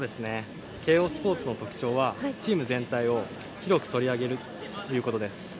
慶應スポーツの特徴はチーム全体を広く取り上げるということです。